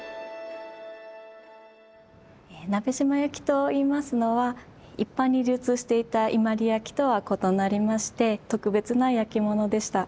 鍋島焼といいますのは一般に流通していた伊万里焼とは異なりまして特別な焼き物でした。